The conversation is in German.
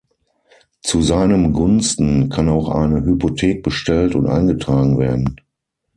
Zu seinem Gunsten kann auch eine Hypothek bestellt und eingetragen werden.